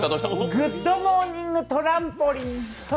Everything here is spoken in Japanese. グッドモーニング・トランポリン。